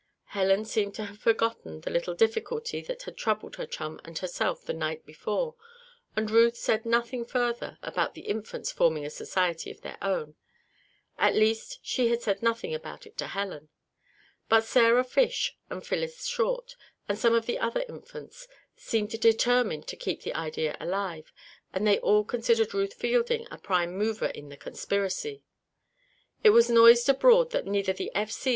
Helen seemed to have forgotten the little difficulty that had troubled her chum and herself the night before, and Ruth said nothing further about the Infants forming a society of their own. At least, she said nothing about it to Helen. But Sarah Fish and Phyllis Short, and some of the other Infants, seemed determined to keep the idea alive, and they all considered Ruth Fielding a prime mover in the conspiracy. It was noised abroad that neither the F. C.'